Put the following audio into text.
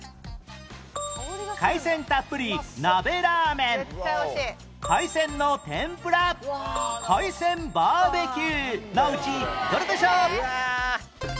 海鮮たっぷり鍋ラーメン海鮮の天ぷら海鮮バーベキューのうちどれでしょう？